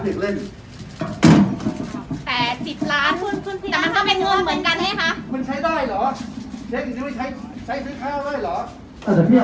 แต่มันก็เป็นเงินเหมือนกันเนี่ยค่ะ